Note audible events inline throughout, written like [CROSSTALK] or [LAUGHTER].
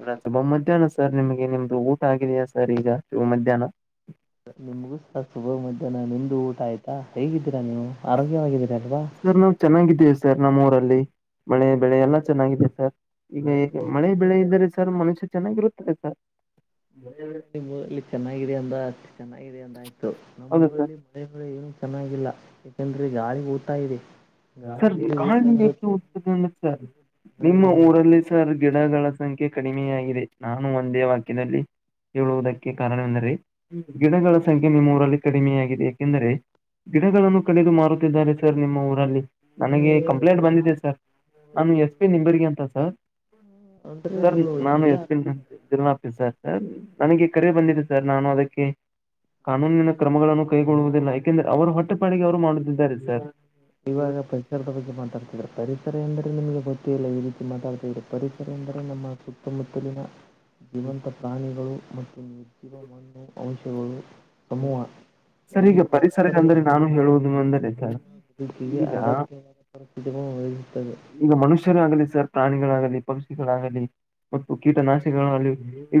ಅಲ್ಲ ಶುಭ ಮಧ್ಯಾಹ್ನ ಸರ್ ನಿಮಗೆ ನಿಮ್ದು ಊಟ ಆಗಿದೆಯಾ ಸರ್ ಈಗ ಶುಭ ಮಧ್ಯಾಹ್ನ ನಿಮ್ಗೂ ಸ ಸುಭ ಮಧ್ಯಾಹ್ನ ನಿಂದು ಊಟ ಆಯ್ತಾ ಸರ್ ನಾವ್ ಚೆನ್ನಾಗಿದ್ದೇ ಸರ್ ನಮ್ಮೂಊರಲ್ಲಿ ಮಳೆ ಬೆಳೆ ಎಲ್ಲಾ ಚೆನ್ನಾಗಿದೆ ಸರ್ ಈಗ ಮಳೆ ಬೆಳೆ ಇದ್ದರೆ ಸರ್ ಮನುಷ್ಯ ಚೆನ್ನಾಗಿರುತ್ತದೆ ಸರ್ ಡೆ ನಿಮ್ಮಲ್ಲಿ ಚೆನ್ನಾಗಿದೆ ಅಂದ ಅಷ್ಟ ಚೆನ್ನಾಗಿದೆ ಅಂದ ಆಯ್ತು ಹೌದು ಸರ್ ನಮ್ಮೂಊರಲ್ಲಿ ಮಳೆ ಮಳ ಏನು ಚೆನ್ನಾಗಿಲ್ಲ ಯಾಕೆಂದ್ರೆ ಗಾಳಿ ೂತಾ ಇದೆ ಗಾಳಿ ಸರ್ ಎಲ್ಲಿ ಕಾಳ ಊತ ಹತದೆ ಇರುತ್ತೆ ಅ ಸರ್ ಮಳೆ ನಿಮ್ಮ ಬರಲ್ಲ ಊರಲ್ಲಿ ಸರ್ ಗಿಡಗಳ ಸಂಖ್ಯೆ ಕಡಿಮೆಯಾಗಿದೆ ನಾನು ಒಂದೇ ವಾಕ್ಯದಲ್ಲಿ ಹೇಳುವುದಕ್ಕೆ ಕಾರಣವೆಂದರೆ ಹ್ಮ್ ಗಿಡಗಳ ಸಂಖ್ಯೆ ನೀಮ್ಮ್ೂರಲ್ಲಿ ಕಡಿಮೆಯಾಗಿದೆ ಯಾಕೆಂದ್ರರೆ ಗಿಡಗಳನ್ನು ಕಡೆಿದು ಮಾರುತ್ತಿದ್ದಾರೆ ಸರ್ ನಿಮ್ಮ ಊರಲ್ಲಿ ನನಗೆ ಕಂಪ್ಲೇಂಟ್ ಬಂದಿದೆೆ ಸರ್ ನಾನು ಎಸ್ ಪಿ ನಿಂಬರಿಗೆ ಅಂತ ಸರ್ ಅಂದರೆ ಸರ್ ನೀವು ನಾನು ಜಿಲ್ಲಾ ಎಷ್ಟ ಇದ ಸರ್ ನನಗೆ ಕರೆ ಬಂದಿದೆ ಸರ್ ನಾನು ಅದಕ್ಕೆ ಕಾನೂನಿನ ಕ್ರಮಗಳನ್ನು ಕೈಗೊಳ್ಳುವುದಿಲ್ಲ ಯಾಕೆಂದ್ರೆ ಅವರು ಹೊಟ್ಟೆಪಾಡಿಗೆ ಅವರು ಮಾಡುತ್ತಿದ್ದಾರೆ ಸರ್ ಇವಾಗಪ್ಪ ಪರಿಸರದ ಬಗ್ಗೆ ಮಾತಾಡ್ತಿದಾರೆ ಪರಿಸರ ಎಂದರೆ ನಿಮಗೆ ಗೊತ್ತೇ ಇಲ್ಲ ಈ ರೀತಿ ಮಾತಾಡ್ತಾ ಇದ್ರೆ ಪರಿಸರ ಎಂದರೆ ನಮ್ಮ ಸುತ್ತ ಮುತ್ತಲಿನ ಜೀವಂತ ಪ್ರಾಣಿಗಳು ಮತ್ತು ನಿರ್ಜೀವ ಮಣ್ಣು ಅಂಶಗಳು ಹ್ಮ ಸಮೂಹ ಸರಿ ಇವು ಈಗ ಪರಿಸರ ಪರಸ್ಪರ ಅಂದ್ರೆ ಸಂಬಂಧ ನಾನು ಹೊಂದಿದ ಹೇಳುವುದು ಅಂದರೆ ಬದುಕಿಗೆ ಈಗ ಅಗತ್ಯವಾದ ಪರಿಸ್ಥಿತಿಗಳನ್ನು ಒದಗಿಸುತ್ತವೆ. ಈಗ ಮನುಷ್ಯರು ಆಗಲಿ ಸರ್ ಪ್ರಾಣಿಗಳು ಆಗಲಿ ಪಂಕ್ಷ ಮತ್ತು ಕೀಟನಾಶ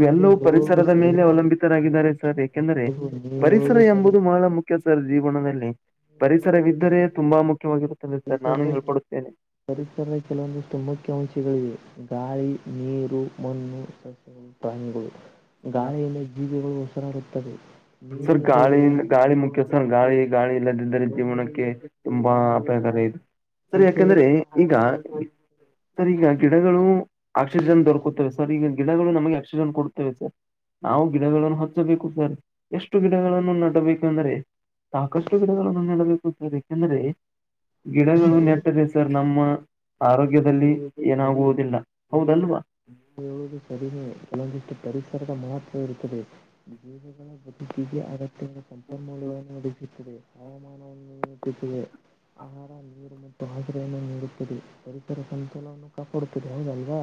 ಹೌದು ಹೇಳುವುದು ಪರಿಸರದ ಮೇಲೆ ಸರಿನೇ ಅವಲಂಬಿತರಾಗಿದ್ದಾರೆ ಸರ್ ಯಏಕೆಂದರೆೆ ಹೌದು ನೀ ಹೇಳುವುದು ಪರಿಸರ ಸರಿ ಎಂಬುದು ಬಹಳ ಮುಖ್ಯ ಸರ ಜೀವನದಲ್ಲಿ ಪರಿಸರವಿದ್ದರೆ ಸರಿನೇ ತುಂಬಾ ಮುಖ್ಯವಾಗಿರುತ್ತದೆ ಸರ್ ನಾನು ಪರಿಸರದ ಹೇಳ್ಕೊಡುತ್ತೇನೆ ಪರಿಸರದ ಕೆಲವೊಂದಿಷ್ಟು ಮುಖ್ಯ ಅಂಶಗಳಿವೆ ಗಾಳಿ ನೀರು ಮಣ್ಣು ಸಸ್ಯಗಳು ಪ್ರಾಣಿಗಳು ಗಾಳಿಯಿಂದ ಜೀವಿಗಳು ಬರುತ್ತದೆ ಸರ್ ಗಾಳಿಂದ ಗಾಳಿ ಮುಖ್ಯ ಸರ್ ಗಾಳಿ ಗಾಳಿ ಇಲ್ಲದಿದ್ದರೆ ಜೀವನಕ್ಕೆ ತುಂಬಾ ಅಪಾಯಕಾರಿ ಇದು ಸರಿ ಯಾಕಂದ್ರೆ ಸಸ್ಯಗಳಿಂದ ಈಗ ಸರ್ ಈಗ ಗಿಡಗಳು ಆಕ್ಸಿಜನ್ ದೊರಕುತ್ತವೆ ಸರ್ ಈಗ ಗಿಡಗಳು ನಮಗೆ ಆಕ್ಸಿಜನ್ ಕೊಡುತ್ತವೆ ಸರ್ ನಾವು ಗಿಡಗಳನ್ನು ಹಚ್ಚಬೇಕು ಸರ್ ಎಷ್ಟು ಗಿಡಗಳನ್ನು ನೆಡಬೇಕೆಂದರೆ ಸಾಕಷ್ಟು ಗಿಡಗಳನ್ನು ನೆಡಬೇಕು [UNINTELLIGIBLE] ಯಾಕೆಂದ್ರೆ ಗಿಡಗಳು ನೆಟ್ಟರೆ ಸರ್ ನಮ್ಮ ಆರೋಗ್ಯದಲ್ಲಿ ಏನಾಗುವುದಿಲ್ಲ ಹೌದಲ್ವಾ [UNINTELLIGIBLE] ಕಡಿಮೆ ಕೆಲವೊಂದಕ್ಕೆ ಪರಿಸರದ ಮಹತ್ವ ಇರುತ್ತದೆ ಜೀಗಳ ಮತ್ತು ಅಗತ್ಯವಿರುವ ಸಂಪನ್ಮೂಲವನ್ನು ನಡಿಸುತ್ತದೆ ಹವಾಮಾನವನ್ನು ಇಟ್ಟಿಸಿದೆ ಆಹ ನೀರು ಮತ್ತು ಆಸರೆಯನ್ನು ನೀಡುತ್ತದೆ ಪರಿಸರ ಸಂತೋಲವನ್ನು ಕಾಪಾಡುತ್ತದೆ ಹೌದಲ್ವಾ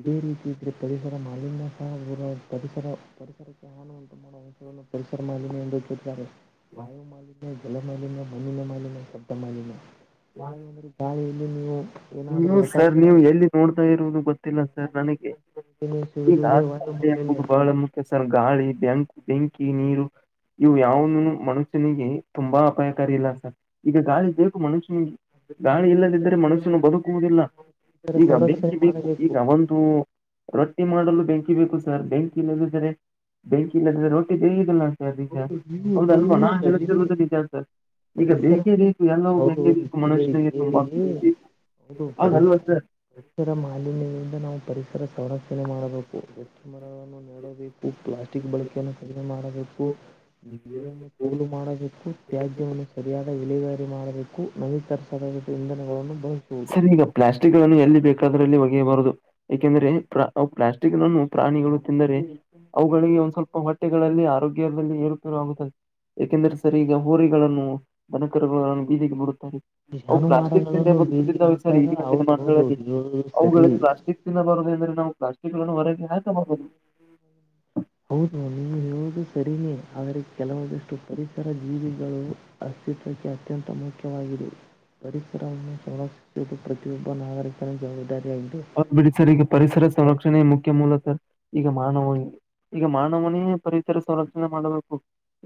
ಇದೇ ರೀತಿ ಇದ್ರೆ ಪರಿಸರ ಮಾಲಿನ್ಯ ಸಹ ಪರಿಸರ ಪರಿಸರಕ್ಕೆ ಹಾನು ಉಂಟು ಮಾಡುವ ಅಂಶವನ್ನು ಪರಿಸರ ಮಾಲಿನ್ಯ ಎಂದು [UNINTELLIGIBLE] ವಾಯು ಮಾಲಿನ್ಯ ಜಲ ಮಾಲಿನ್ಯ ಮಣ್ಣಿನ ಮಾಲಿನ್ಯ ಶಬ್ದ ಮಾಲಿನ್ಯ ವಾಯು ಅಂದ್ರೆ ಗಾಳಿಯಲ್ಲಿ ನೀವು ಏನಾದ್ರು ನೀವು ರಸ ಸರ್ ನೀವು ಎಲ್ಲಿ ನೋಡ್ತಾ ಇರುವುದು ಗೊತ್ತಿಲ್ಲ ಸರ್ ನನಗೆ ಈಗ ಸೇವಿಸುವುದೇ ಗಾಳಿ ವಾಯು ಮಾಲಿನ್ಯ. ಎಂಬುದು ಬಹಳ ಮುಖ್ಯ ಸರ್ ಗಾಳಿ ಬೆಂಕ್ ಬೆಂಕಿ ನೀರು ಇವು ಯಾವುನು ಮನುಷ್ಯನಿಗೆ ತುಂಬಾ ಅಪಾಯಕಾರಿ ಇಲ್ಲ ಸರ್ ಈಗ ಗಾಳಿ ಬೇಕು ಮನುಷ್ಯ ಗಾಳಿ ಇಲ್ಲದಿದ್ದರೆ ಮನುಷ್ಯನು ಬದುಕುವುದಿಲ್ಲ ಪರಿಸರ ಈಗ ಸಂರಕ್ಷಣೆ ಬೆಂಕಿ ಬೇಕು ಮಾಡಬೇಕು ಈಗ ಒಂದು ರೊಟ್ಟಿ ಮಾಡಲು ಬೆಂಕಿ ಬೇಕು ಸರ್ ಬೆಂಕಿ ಇಲ್ಲಲ್ಲಿದರೆ ಬೆಂಕಿ ಇಲ್ಲದ್ರೆ ರೊಟ್ಟಿ ಬೇಯೋದಿಲ್ಲ ನಿಜ ಹೌದಲ್ವ ಅಣ್ಣ ನೀವು ನಾನ್ ಸರಿನೇ ಹೇಳ್ತಿರುವುದೂ ನಿಜ ಸರ್ ಈಗ ಪರಿಸರ ಬೆಂಕಿ [UNINTELLIGIBLE] ಎಲ್ಲವೂ ಹೌದು ಬೇಕು ಬೇಕೇ ಹೌದು ಕೇಳಿ ಮನುಷ್ಯನಿಗೆ ಕೇಳಿ ತುಂಬಾ ಹೌದು ಬರಿ ಹಾಗಲ್ವಾ ಸರ್ ಪರಿಸರ ಮಾಲಿನ್ಯದಿಂದ ನಾವು ಪರಿಸರ ಸಂರಕ್ಷಣೆ ಮಾಡಬೇಕು [UNINTELLIGIBLE] ನಾನು ನೆಡಬೇಕು ಪ್ಲಾಸ್ಟಿಕ್ ಬಳಕೆಯನ್ನು ಕಡಿಮೆ ಮಾಡಬೇಕು ಪೂಲ್ ಮಾಡಬೇಕು ಟ್ಯಾಗ್ ಸರಿಯಾದ ಇಲಿವರಿ ಮಾಡಬೇಕು ನಮೀಕರಿ [UNINTELLIGIBLE] ಸರ್ ಈಗ ಪ್ಲಾಸ್ಟಿಕ್ ಗಳನ್ನು ಎಲ್ಲಿ ಬೇಕ ಪಕ್ಕದ್ರಲ್ಲಿ ಒಗೆಯಬಾರದು ಏಕೆಂದ್ರೆ ಪ್ಲಾಸ್ಟಿಕ್ ನನ್ನು ಪ್ರಾಣಿಗಳು ತಿಂದರೆ ಅವುಗಳಿಗೆ ಒಂದ್ ಸ್ವಲ್ಪ ಹೊಟ್ಟೆಗಳಲ್ಲಿ ಆರೋಗ್ಯ ದಲ್ಲಿ ಏರು [UNINTELLIGIBLE] ಏಕೆಂದ್ರೆ ಸರಿ ಈಗ ಹೋರಿಗಳನ್ನು ಬನಕರುಗಳನ್ನು ಬೀದಿಗೆ [UNINTELLIGIBLE] [UNINTELLIGIBLE] ಅವು ಪ್ಲಾಸ್ಟಿಕ್ ಬೀದಿಗೆ ಜಾನುವಾರುಗಳನ್ನು ಬರುತ್ತಿದ್ದವೆ ಸರ್ ಬಿಟ್ಟಾಗ ಈಗಿನ ಹೌದು ಹೌದು ದಿನಮಾನಗಳಲ್ಲಿ ಹೇಳುವುದು ಅವುಗಳಿಗೆ ಸರಿ ಪ್ಲಾಸ್ಟಿಕ್ ತಿನ್ನ ಬಾರದು ಎಂದರೆ ನಾವು ಪ್ಲಾಸ್ಟಿಕ್ ಅನ್ನು ಹೊರಗೆ ಹಾಕಬಾರದು ಹೌದು ನೀನು ಹೇಳುದು ಸರಿನೇ ಆದರೆ ಕೆಲವಂದಷ್ಟು ಪರಿಸರ ಜೀವಿಗಳು ಚಿತ್ರಕ್ಕೆ ಅತ್ಯಂತ ಮುಖ್ಯವಾಗಿದೆ ಪರಿಸರವನ್ನು ಸಂರಕ್ಷಿಸೋದು ಪ್ರತಿಯೊಬ್ಬ ನಾಗರಿಕರ ಜವಾಬ್ದಾರಿ ಅವ ಬಿಡಿಸರ್ ಈಗ ಪರಿಸರ ಸಂರಕ್ಷಣೆಯ ಮುಖ್ಯ ಮೂಲ ಈಗ ಮಾನವ ಈಗ ಮಾನವನೇ ಪರಿಸರ ಸಂರಕ್ಷಣೆ ಮಾಡಬೇಕು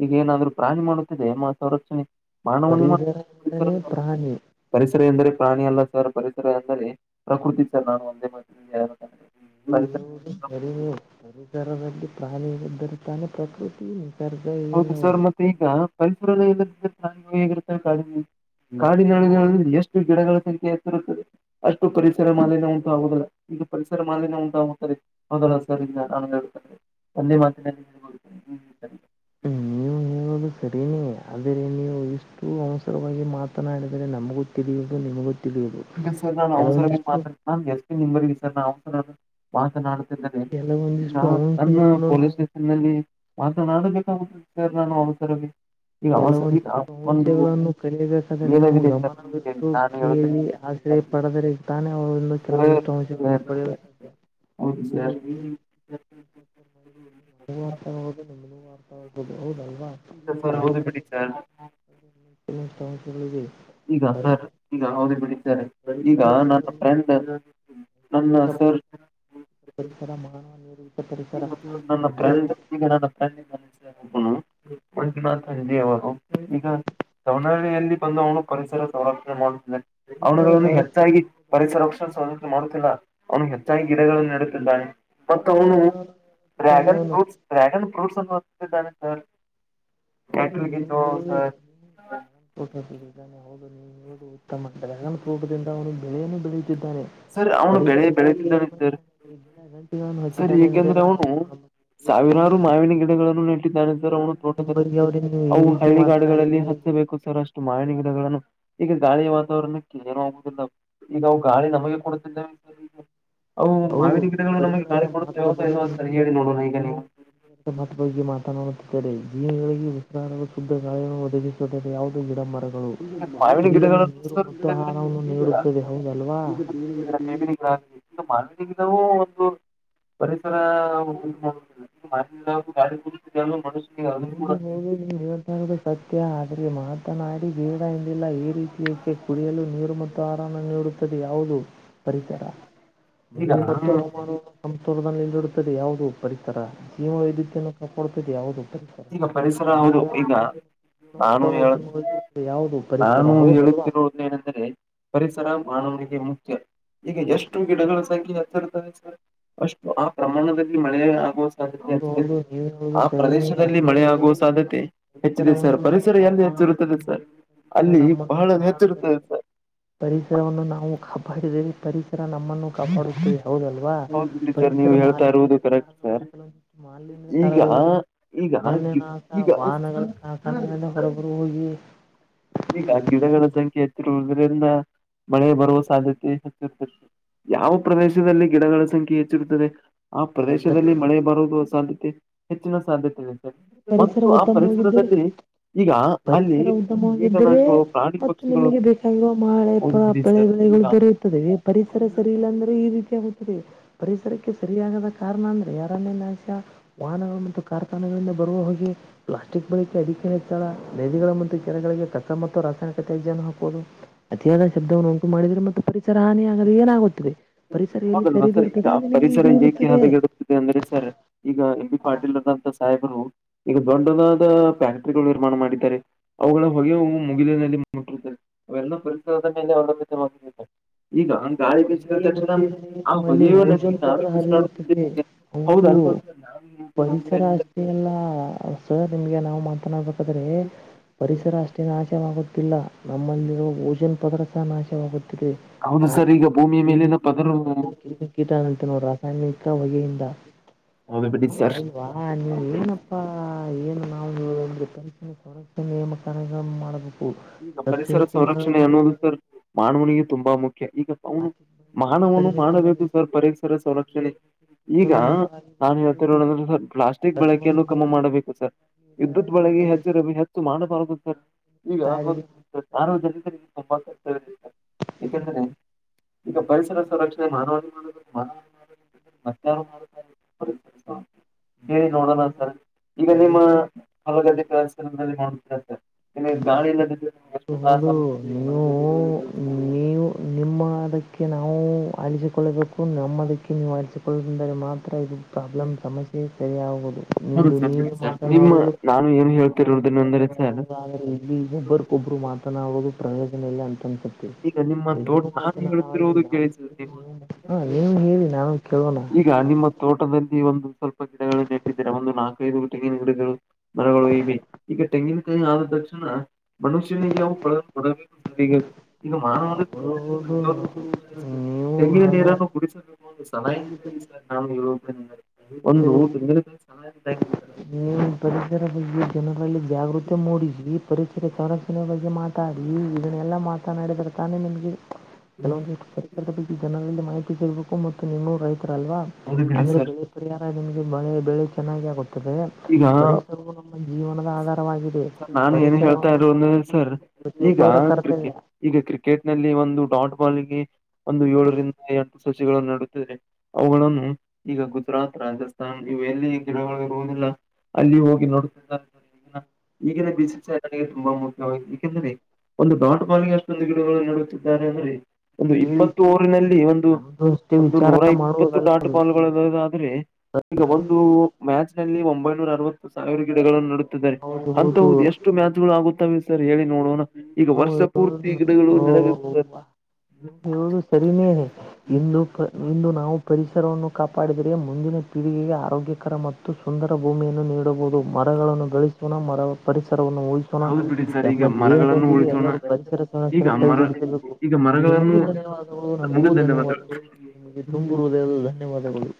ಈಗ ಏನಾದ್ರು ಪ್ರಾಣಿ ಮಾಡುತ್ತಿದೆ ಏ ಸಂರಕ್ಷಣೆ ಮಾನವನು ಪರಿಸರ ಪರಿಸರ ಎಂದರೇನೆ ಪ್ರಾಣಿ. ಪರಿಸರ ಎಂದರೆ ಪ್ರಾಣಿ ಅಲ್ಲ ಸರ್ ರ ಪರಿಸರ ಅಂದರೆ ಪ್ರಕೃತಿ ಸರ್ ನಾನು ಒಂದೇ ಮ ಯ ನೀವು [UNINTELLIGIBLE] ಪರಿಸರದಲ್ಲಿ ಪ್ರಾಣಿಗೆ ಬರುತ್ತಾನೆ ಪ್ರಕೃತಿ ನಿಸರ್ಗ ಹೌದು ಇವೆಲ್ಲವೂ. ಸರ್ ಮತ್ತೆ ಈಗ ಮೈಪೂರಲ್ಲ ಎ. ಿಯಗತ್ತವೆ ಕಾಡಿನ ಕಾಡಿನಳಗಳಲ್ಲಿ ಎಷ್ಟು ಗಿಡಗಳ ಸಂಖ್ಯೆ ಎತ್ತಿರುತ್ತದೆ. ಅಷ್ಟು ಪರಿಸರ ಮಾಲಿನ್ಯ ಉಂಟಾಗುದಲ್ಲ ಇದು ಪರಿಸರ ಮಾಲಿನ್ಯ ಉಂಟಾಗುತ್ತದೆ ಹದಲ್ಲ ಸರಿ. [UNINTELLIGIBLE] ಒಂದೆ ಮಾಿನ ಹ್ಮರಿ್ಮ. ಹ್ಮ್, [UNINTELLIGIBLE] ನೀವು ಸರಿನೇ ಆದರೆ ನೀವು ಇಷ್ಟು ಅವಸರವಾಗಿ ಮಾತನಾಡಿದರೆ ನಮಗೂ ತಿಳಿಯುವುದು ನಿಮಗೊ ಈಗ ಸರ್ ನಾನು ಅವಸರ ಮಾತಡ್ ನ ಎಷ್ಟು ನಿವರೆಗ ಸರ್ ನರ ಮಾತನಾಡ. ನ ಕೆಲವೊಂದಿಷ್ಟು ನನ್ನ ಅಂಶಗಳನ್ನು ನಾವು ಪೊಲೀಸ್ ಸ್ಟೇಷನ್ ನಲ್ಲಿ. ಮತನಾಡಬೇಕಾಗತೆ ಸರ್ ನಾನು ಅವಸರ. ಈಗ ಈಗ ಕೆಲವೊಂದು ಒಂದು ಅಂಶೆಗಳನ್ನು ಕಲೆಯಬೇಕಾದರೆ ನಮವು ವೇದವಿದೆ ಸರ್ ಗಮನವಿತ್ತುು ನಾನು ಕೇಳಿ ಆ. ಹೇಳ್ತೇನೆ ಪಡೆದರೆ ತಾನೇ ಅವರಿಂದು ಸರ್ ಕೆಲವೊಂದಿಷ್ಟು ಅಂಶವನ್ನು ಸರ್ ಪಡೆಯಲು ಸರ್ ಸಾಧ್ಯ. ಹೌದು ಸರ್ ರ್ ಮಾಡಿದ್ರ ನಗ ನ [UNINTELLIGIBLE] ಹೌದಲ್ವಾ ಸರ್ ಹೌದು ಪರಿಸರ ಬಿಡಿ ಸರ್ ಅಂಶಗಳದೆ. [UNINTELLIGIBLE] ಈಗ ಸರ್ ಈಗ ಅವರಿಗ್ ಬಿಡಿ ಸರ್ ಈಗ ನನ್ನ ಫ್ರೆಂಡ್. ನನ್ನ ಸರ್ ಾಜ ಪರಿಸರ ಮಾನವ ನೀ. ಈ ನನ್ನ್ರಂಡ್ ಈಗ ನನ್ನ ಫ್ರ. ಹ ಮಂಜುನಾಥ್ ಅಜಿ ಅವರು ಈಗ. ದಾವನಹಳ್ಳಿಯಲ್ಲಿ ಬಂದು ಅವನು ಪರಿಸರ ಸಂಾಪಣೆ ಮಾಡ. ಪರಿಸರ ಅವನಗಳನ್ನು ಸಂರಕ್ಷಣೆ ಹೆಚ್ಚಾಗಿ ಪರಿಸರಕ್ಷಣ ಸ್ವಂತ್ರ ಮಾಡ. ಅವನುಿಗೆ ಹೆಚ್ಚಾಗಿ ಗಿಡಗಳನ್ನು ನಡುತ್ತಿದ್ದಾನೆ ಮತ್ತು ಯಾವ ಅವನು. ಗಿಡಗಳನ್ನು ನೆಡುತ್ತಿದ್ದಾನೆ ಡ್ರ್ಯಾಗನ್ ಅವನು? ಫ್ರೂಟ್ಸ್ ಡ್ರ್ಯಾಗನ್ ಫ್ರೂಟ್ಸ್ ಅನ್ನು ಹೊತಿದ್ದಾನೆ ಸರ್. ಹೌದು ಟ್ಯಾಕ್ಟರ್ಗೆ ಜೋಳ ನೀಟ್ಟ ಸರ್ ಹೌದು ನೀವು ಇದು ಉತ್ತಮ [UNINTELLIGIBLE] ್ರೇಗನ್ಫ್ರೂಟ್ ದಿಂದ ಒನು ಬಿಳೆಯನು ಬೆಳ ಜದನೆ ಸರ್ [UNINTELLIGIBLE] ಅವನು ಬೆಳೆ ಪರಿಸರಕ್ಕಾಗಿ ಏನ್ ಬೆಳೆದಿದ್ದಾನೆ ಮಾಡ ಸರ್ [UNINTELLIGIBLE] ಸರ್ ಹಚ್ಚಿದ್ದಾನೆ ಅಂದ್ರೆ ಏಕೆಂದ್ರೆ ಅವನು ನಾನ [INAUDIBLE] ಸಾವಿರಾರು ಮಾವಿನ ಗಿಡಗಳನ್ನು ನ. ನಿಮ್ಮ ತೋಟದಲ್ಲಿ ಬಗ್ಗೆ ಅವ್ರಿಗೆ ನೀವು ಈ ಅವು ರೀತಿ ಹಳ್ಳಿ ಗಾಡುಗಳಲ್ಲಿ ಮಾತನಾಡಿದ್ರೆ ಹೇಗೆ ಹಚ್ಚಬೇಕು ಸರ್ ಅಷ್ಟು ಮಾವಿನ ಗಿಡಗಳನ್ನು ಈ. ಗಾಳಿಯ ವಾತಾವರಣಕ್ಕೆ ಏನು ಹೋಗುದಿಲ್ಲ ಈಗಾವು ಗಾಳಿ ನಮಗೆ ಕೊಡುತ್ತಿದ್ದ. ಅವು ಹೌದು ಮಾವಿನ ಇದು ಗಿಡಗಳು ನಮಗೆ ಗಾಳಿ ಪರಿಸರದ ಕೊಡುತ್ತೆ ಮಹತ್ವ ಯಾವ ಬಗ್ಗೆ ಸರಿ ಹೇಳಿ ನೋಡಣ ಈಗ ನೀವು. ುತ್ತದೆ ಜೀವಿಗಳಿಗೆ ವಿಸ್ರಾರ ಶುದ್ಧ ಗಾಯನ್ನು ಒದಗಿಸುತ್ತದೆ ಯಾವುದೋ ಗಿಡ ಮರ. ಮಾವಿನ ಕುಡಿಯಲು ಗಿಡಗಳನ್ನು ನೀರು ಸರ್ ಮತ್ತು ಆಹಾರ ಗಿಡಗಳನ್ನು ಈಗ ನೀಡುತ್ತದೆ ಹೌದಲ್ವಾ. ಹಾ. ಈಗ ನಾವು ಒಂದು. ಪರಿಸರ ಮಾ ಗಾಡಿ ಪ ಮನು. [UNINTELLIGIBLE] ಹೌದು ಹೋಗ ನೀವು ಹೇಳ್ತದು ಸತ್ಯ ಆದರೆ ಮಹತ್ನಾಯಕ. ಗೇಡ ಎಂದಿಲ್ಲ ಈ ರೀತಿಯ ಕುಡಿಯಲು ನೀರು ಮತ್ತು ಆಹಾನ ನೀಡುತ್ತದೆ ಯಾವುದು. ಪರಿಚರ ಈಗ ಮಳೆ ಮತ್ತು ನಾನು ಅವಮಾನವನ್ನು. [UNINTELLIGIBLE] ರದಲ್ಲಿ ಇಲ್ಲಿಡುತ್ತದೆ ಯಾವುದು ಪರಿಸರ ಜೀವ ವೈದ್ಯನ್ನು ಕಾಪಾಡುತ್ತದೆ ಯಾವುದು. ಪರಿಸರ ಈಗ ಪರಿಸರ ಹೌದು ಮಾನವನ ಈಗ. ಆರೋಗ್ಯ ನಾನು ಗುಣಮಟ್ಟವನ್ನು ಹೇಳ ಉತ್ತಮಗೊಳಿಸುತ್ತದೆ ಯಾವುದು ಪರಿಸರ ನಾನು ಹೌದಲ್ವಾ ಹೇಳುತ್ತಿರುವುದರ ಉದ್ದೇಶ ಎನೆಂದ್ರೆ. ಪರಿಸರ ಮಾನನಿಗೆ ಮುಖ್ಯ. ಈಗ ಎಷ್ಟು ಗಿಡಗಳ ಸಂಖ್ಯೆ ಹೆಚ್ಚಿರುತದೆ ಸರ್ ಅಷ್ಟು ಆ ಪ್ರಮಾಣದಲ್ಲಿ ಮಳೆ ಆಗುವ. ಸಾಧ್ಯತೆ ಹೌದು ಇರುತ್ತದೆ ಹೌದು ನೀವು ಹೇಳೋದು ಅ ಪ್ರದೇಶ. ಸರಿಯೇ ಲ್ಲಿ ಮಳೆ ಅಂದರೆ ಆಗುವ ಸಾಧ್ಯತೆ ಹೆಚ್ಚಿದೆ ಸರ್ ಪರಿಸರವನ್ನು ನಾವು ಪರಿಸರ ಎಲ್ಲಿ ಕಾಪಾಡಿಕೊಂಡರೆ ಹೆಚ್ಚಿರುತ್ತದೆ ಸರ್. ಅಲ್ಲಿ ನಮ್ಮನ್ನು ಬಹಳ ಹೆಚ್ಚಿರ್ತದೆ ಕಾಪಾಡುತ್ತದೆ ಸರ್. ಪರಿಸರವನ್ನು ನಾವು ಕಾಪಾಡಿದರೆ ಪರಿಸರ ನಮ್ಮನ್ನು ಕಾಪಾಡುತ್ತೇವೆ. ಹೌದಲ್ವಾ ಹೌದು ಬಿಡಿ ಸರ್ ಪರಿಸರ ನೀವು ಹೇಳ್ತಾ ಮಾಲಿನ್ಯದ ಇರುವುದು ಕಾರ ಕರೆಕ್ಟ್ ಹ. ಸರ್ [UNINTELLIGIBLE] ಮಾಲಿನ್ಯದ ಈಗ ಕಗಳು ಈಗ ಗಿ- ಅನಕ ಈಗ ವಾಹನಗಳಿಂದ ಹೊರಬರು ಹೋಗಿ. ಈಗ ಗಿಡಗಳ ಸಂಖ್ಯೆ ಹೆತ್ತಿರುವುದರಿಿಂದ. ಮಳೆ ಬರುವ ಸಾಧ್ಯತೆ ಹೆಚ್ಚಿರುತದೆ ಯಾವ ಪ್ರದೇಶದಲ್ಲಿ ಗಿಡಗಳ ಸಂಖ್ಯೆ ಹೆಚ್ಚಿರ್ತದೆ. ಆ ಪ್ರದೇಶದಲ್ಲಿ ಮಳೆ ಬರುದು ಅ ಸಾಾಧ್ಯತೆ ಹೆಚ್ಚಿನ ಸಾಧ್ಯತೆ. ಪರಿಸರ ಮತ್ತು ಆ ಉತ್ತಮವಾಗಿದ್ದರೆ ಪರಿಸರದಲ್ಲಿ ಈಗ ಅಲ್ಲಿ ಪರಿಸರ ಉತ್ತಮವ ಇದರೆ ಕೀಟನಾಶಗಳು ಪ್ರಾಣಿ ಮತ್ತ ಪಕ್ಷಿಗಳು ನಿಮಗೆ ಬೇಕಾಗಿರುವ ಮಳೆ ಹೋಗಿದ್ದೀರಿ ಬೆಳೆ ಸರ್ ಬೆಳೆಗಳು ದರ ಈಗ ಇರ್ತದೆ ಪರಿಸರ ರಿಲ್ಲ ಅ್ರ ಈ ರೀತಿ [UNINTELLIGIBLE] ಪರಿಸರಕ್ಕೆ ಸರಿಯಾಗದ ಕಾರಣ ಅಂದ್ರೆ ಯಾರರಣ್ಯ ನಾಶ ವಾಹನಗಳು ಮತ್ತು ಕಾರ್ ಸ್ಥಾನಗಳಿಂದ ಬರುವ ಹೋಗಿ ಪ್ಲಾಸ್ಟಿಕ್ ಬಳಿಕೆ ಅಧಿಕ ಹೆಚ್ಚಳ ನದಿಗಳ ಮತ್ತು ಕೆರೆಗಳಿಗೆ ಕಚ್ಚ ಮತ್ತು ರಾಸಾಯನಿಕ ತ್ಯಾಜ್ಯವನ್ನು ಹಾಕುವುದು ಅತಿಯಾದ ಶಬ್ದವನ್ನು ಮಾಡಿದ್ರೆ ಮತ್ತು ಪರಿಸರ ಹಾನಿಿಯಗಲು ಏನಾಗುತ್ತದೆ ಪರಿಸರ ಎಲ್ಲಿ ಹೌದಲ್ವಾ ಸರಿದ ಸರ್ ಈಗ ಇರ್ತದೆ ಅಲ್ಲಿ ನಿಮ್ಗೆ ಪರಿಸರ ಇದು ಏಕೆ ಇರ್ತ್ತದೆ ಹದಗೆಡುತ್ತಿದೆ ಅಂದ್ರೆ ಸರ್ ಈಗ ಎಂ ಬಿಿ ಪಾಟೀಲ್ಂತ ಸಾಹೇಬರು ಈಗ ದೊಡನಾದ ಫ್ಯಾಕ್ಟ್ರಗಳು ನಿರ್ಮಾಣ ಮಾಡಿದ್ದಾರೆ ಅವುಗಳ ಹೊಗೆವು ಮುಗಿಲಿನಲ್ಲಿ ಮುಟ್ಟಿರುತ್ತವೆ ಅವೆಲ್ಲ ಪರಿಸಸಲ್ಲ ಅವ ಮಾಡ ಈಗ ಗಾಳಿ ತಕ್ಷಣ ಮುಟ್ಟಿದರೆ ಆ ನಮ್ಮಲ್ಲಿ ಬದಿಯ ನಗೆ ಓಜೋನ್ ಪದರ ನಾವೇ ಉರಾಡ ಹರಿಯುತ್ತದೆ ಹೌದು ಹೌದಲ್ ನ ಪರಿಸರ ಅಷ್ಟೇ ಅಲ್ಲ ಸರ್ ನಿಮ್ಗೆ ನಾವು ಮಾತನಾಡ್ಬೇಕ ಪರಿಸರ ಅಷ್ಟೇ ನಾಶವಾಗುತ್ತಿಲ್ಲ ನಮ್ಮಲ್ಲಿರ ಓಜನ್ ಪದ್ರ ಸ ನಾಶ ಸೇಮ ಪ್ರತಿ ಹೌದು ಆಯ ಸರ್ ಈಗ ಭೂಮಿಯ ಮೇಲಿನ ಪದರು ಕೀಟಗಳು ಇ ಕಿ ಕೀಟ ಅ ನೋ ರಾಸಾಯನಿಕ ಬಗೆಯಿಂದ ಹೌದು ಬಿಡಿ ಸರ್ ಅಲ್ವಾ ನೀವ ಏನಪ್ಪಾ ಏನು ನಾವು ಪಕ್ಷ ಸೊಡಕ್ಷ ನೇಮಕ ಮಾಡಬೇಕು ಪರಿಸರ ಪ್ರತಿಯೊಂದು ಸಂರಕ್ಷಣೆ ಮರವನ್ನು ಅನ್ನುೋದು ನೆಡಬೇಕು ಸರ್ ಮಾವನಿಗೆ ತುಂಬಾ ಮುಖ್ಯ ಈಗ ಅವನು ಮಾನವನು ಮಾಡಬೇಕು ಸರ್ ಪರೀಕ್ಷರ ಸಂರಕ್ಷಣೆ ಈಗ ಮಿತವಾಗಿ ನಾನ್ ಬಳಸಬೇಕು ಹೇಳ್ತಿರೋಣಂದ್ರೆ ಸರ್ ಪ್ಲಾಸ್ಟಿಕ್ ಕಸವನ್ನು ಬಳಕೆಯನ್ನು ಕಮಿ ಬೇರ್ಪಡಿಸಿ ಮಾಡಬೇಕು ಸರ್ ವಿದ್ಯುತ್ ವಿಲೇವಾರಿ ಬಳಗೆ ಹೆಚ್ಚ ಮಾಡಬೇಕು ಹೆಚ್ಚು ಮಾಡಬಾರ ಈಗ ಸಾರಿಗೆ ಸಾರ್ವಜನಿಕರಿಗೆ ಏಕೆಂದ್ರೆ ಈಗ ಪರಿಸರ ಸಂುರಕ್ಷಣೆ ಮಾನವ ಮ ಮಧ್ಯಾಹನ ಮಾಡಾರಗ ಪರಿಥಿತ ಹೇಳಿ ನೋಡೋಣ ಸರ್ ಈಗ ನಿಮ್ಮ ಮತ್ತು ಹೊಲಗ ಕೆಲಸರತ್ತ ಗಾಳಿ ನಿಮ್ಗೆ ಹೌ ಎಷ್ಟು ತ್ರಾಸ ಹೌದು ಆಗುತ್ತದೆ ನೀವು ಹೊಲಗದ್ದೆಗಳಲ್ಲಿ ಕೆಲಸ ಮಾಡುವಾಗ? ನೀವು ನಿಮ್ಮ ಅದಕ್ಕೆ ನಾವು ಅಲಿಸಿಕೊಳ್ಳಬೇಕು ನಮ್ಮದಕ್ಕೆ ನೀವು ಅಲಿಸಿಕೊಳ್ಳದಂದರೆ ಮಾತ್ರ ಇದು ಪ್ರಾಬ್ಲಮ್ ಸಮಸ್ಯೆ ಸರಿ ಆಾಗುವುದು ನಿ ಹೌದು ನೀವ ಸರ್ ನಿಮ್ಮ ಮಾತನಾಡುದು ನಾನು ಏನು ಹೇಳ್ತಿರೋದನ್ನು ಅಂದರೆ ಸರ್ ್ರೆ ಇಲ್ಲಿ ಒಬ್ಬರಿಗೊಬ್ರು ಮಾತನಾಡುವುದು ಪ್ರಯೋಜನೆಲ್ಲ ಅಂತನ್ ಮತ್ತೆ ಈಗ ನಿಮ್ಮ ತೋಟ ನೀವು ನಾನು ಮಾತನಾಡ ಹೇಳುತ್ತಿರುವುದು ನಾವು ಸರ್ ಕೇಳಿ ನೀವು ಹ ನೀವು ಹೇಳಿ ನಾನು ಕೇಳೋಣ ಈಗ ನಿಮ್ಮ ತೋಟದಲ್ಲಿ ಒಂದು ಸ್ವಲ್ಪ ಗಿಡಗಳು ನೆಟ್ಟರೆ ಒಂದು ನಾಲ್ಕೈದು ತೆಂಗಿನ ಗಿಡಗಳು ಮರಗಳು ಇವೆ ಈಗ ತೆಂಗಿನಕಾಯಿ ಆ ತಣ ಮನುಷ್ಯನಿಗೆವು ಕೊಡಬೇಕು ಈಗ ಮಾನವ ಹೌದು ನೀವು ತೆಂಗಿನ ಹಾಗ ನೀರನ್ನುಡಿಸು ಒಂದು ಸಲಾಯ ಸರ್ ನಾು ಹೇಳುವ ಒಂದು ತಿಂಗಗಳಾಯ ಸಲಾಯ ಸ ನೀವು ಪರಿಸರ ಬಗ್ಗೆ ಜನರಲ್ಲಿ ಜಾಗೃತಿ ಮೂಡಿಸಿ್ ಪರಿಚರೆ ತರಸಿನೆ ಬಗ್ಗೆ ಮಾತಾಡಿ ಇದನ್ನೆಲ್ಲ ಮಾತನಾಡಿದರೆ ತಾನೇ ನಿಮಗೆ ಕೆಲವ ಪರಿಕಾರದ ಬಗ್ಗೆ ಜನರಲ್ಲಿ ಮಾಹಿತಿ ಕೇಳಬೇಕು ಮತ್ತು ನಿನ್ನ ರೈತ ಲ್ವಾ ಹೌದು ಬಿಡಿ ಅಂದ್ರೆ ಸರ್ ಬೆಳೆ ಪರಿಹಾರ ನಿಮಗೆಳೆ ಬೆಳೆ ಚೆನ್ನಾಗ ಆಗತದೆ ಈಗ ಪರಿಸೂ ನಮ್ಮ ಜೀವನದ ಆಧಾರ ಸ ನಾನ್ ಏನ್ ಹೇಳ್ತಾ ಇದ್ರು ಅಂದ ಸರ್ ಈಗ ಪ್ರತಿಯೊಬ್ಬರ ಕರ್ತವ್ಯ. ಕ್ರಿಕೆ ಈಗ ಕ್ರಿಕೆಟ್ ನಲ್ಲಿ ಒಂದು ಡಾಟ್ ಬಾಲ್ಗೆ ಒಂದು ಏಳರಿಂದ ಎಂಟು ಸಚಿಗಳನ್ನು ನುತ್ತಿದೆ ಅವುಗಳನ್ನು ಈಗ ಗುಜರಾತ್ ರಾಜಸ್ಥಾನ್ ಇವು ಎಲ್ಲಿ ಗಿಡಗಳು ಇರುವುದಿಲ್ಲ ಅಲ್ಲಿ ಹೋಗಿ ನೋಡ್ ಈಗಿನ ಬಿಸಿ ನಗೆ ತುಂಬಾ ಮು್ಯ ಏಕೆಂದರೆ ಒಂದು ದಾಟ್ ಬಾಲಿಗೆಷ್ಟಂದು ಗಿಡಗಳು ನಡುತ್ತಿದ್ದಾರೆ ಅಂದ್ರರೆ ಒಂದು ಕೇಳಿ ಇಂಬತ್ತು ಊರಿನಲ್ಲಿ ಒಂದು ನಮ್ದು ಅಷ್ಟೇ ಒಂದು ವಿಚಾರ ನೂರ ಇಪ್ಪತ್ತು ಮಾಡುವುದಲ್ಲ ಡಾಟ್ ಅದು. ಬಾಲ್ಗಳದಾದ್ರೆ ಈಗ ಒಂದು ಮ್ಯಾಚ್ ನಲ್ಲಿ ಒಂಬ ೂ ಅವ ಸಾವಿರ ಗಡೆಗಳನ್ನು ನಡುತ್ತಿದ್ದಾರೆ ಹೌದು ಅಂತ ಹೌದು. ಎಷ್ಟು ಮ್ಯಾಚ್ ಗಳು ಆಗುತ್ತವೆ ಸ ಹೇಳಿ ನೋಡೋಣ ಈಗ ವರ್ಷ ಪೂರ್ತಿ ಗಿಗಳು ನಡೆದ ನೀವು ನೀವು ಹೇಳುದು ಸರಿನೇನೆ ಇಂದು ಇಂದು ನಾವು ಪರಿಚ ಹೆಸರವನ್ನು ಕಾಪಾಡಿದರೆ ಮುಂದಿನ ಪೀಳಿಗೆಗೆ ಆರೋಗ್ಯಕರ ಮತ್ತು ಸುಂದರ ಭೂಮಿಯನ್ನು ನೀಡಬಹುದು ಮರಗಳನ್ನು ಗಳಿಸೋಣ ಮರ ಪರಿಸರವನ್ನು ಹಿಸೋಣ ಹೌದ್ ಬಿಡಿ ಸರ್ ತಮ್ಮ ಈಗ ಮರಗಳನ್ನು ದೇಹದೊಂದಿಗೆ ಉಳಿಸೋಣ ಎಲ್ಲರೂ ಪರಿಸರ ಸಮಸ್ಯನೆ ಈಗ ಕೈ ಮರ ಜೋಡಿಸಬೇಕು ನಿಮಗೂ ಧನ್ಯವಾದಗಳು ನಮಗೂ ಧನ್ಯವಾದ ನಿಗೆ ತುಂಬಿರುವುದೆಲ್ಲ ಧನ್ಯವಾದಗಳು